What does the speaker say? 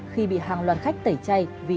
khi bị hàng loan khách tẩy chay vì